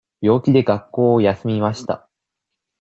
病気で学校を休みました。